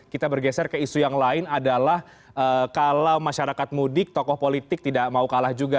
kita bergeser ke isu yang lain adalah kalau masyarakat mudik tokoh politik tidak mau kalah juga